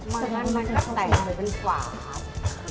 มันก็แตกหรือเป็นขวาครับ